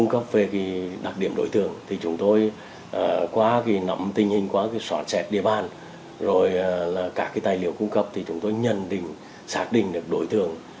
các tài liệu cung cấp chúng tôi nhận định xác định được đối tượng